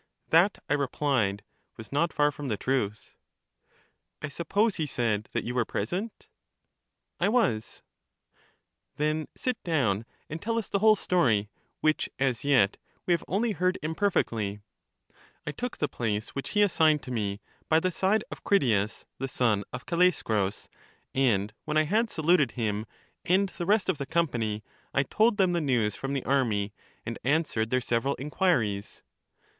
That, I replied, was not far from the truth. I suppose, he said, that you were present. I was* r"^^^^ — Digitized by VjOOQ IC 8 CHARMIDES Then sit down, and tell us the whole story, which as yet we have only heard imperfectly. I took the place which he assigned to me, by the side of Critias the son of Callaeschrus, and when I had saluted him and the rest of the company, I told them the news from the army, and answered their several inquiries.